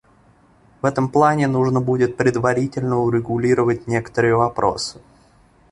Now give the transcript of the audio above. В этом плане нужно будет предварительно урегулировать некоторые вопросы.